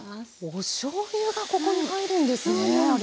おしょうゆがここに入るんですね有元さん。